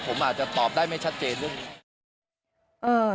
ผมอาจจะตอบได้ไม่ชัดเจนเรื่องนี้